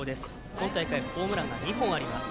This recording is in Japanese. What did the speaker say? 今大会ホームランが２本あります。